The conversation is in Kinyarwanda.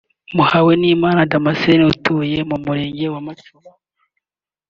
Muhawenimana Damascène utuye mu Murenge wa Macuba